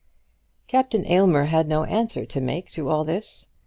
Captain Aylmer had no answer to make to all this.